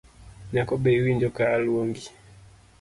Nyako be iwinjo ka aluongi.